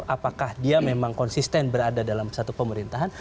apakah dia memang konsisten berada dalam satu pemerintahan